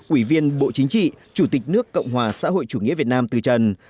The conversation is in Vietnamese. ủy viên bộ chính trị chủ tịch nước cộng hòa xã hội chủ nghĩa việt nam từ trần